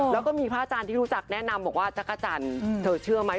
แล้วก็มีพระอาจารย์ที่รู้จักแนะนำบอกว่าจักรจันทร์เธอเชื่อไหม